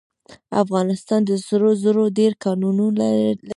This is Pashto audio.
افغانستان د سرو زرو ډیر کانونه لري.